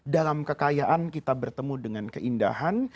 dalam kekayaan kita bertemu dengan keindahan